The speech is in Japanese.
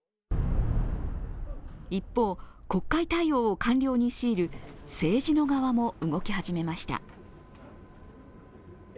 一方、国会対応を官僚に強いる政治の側も動き始めました。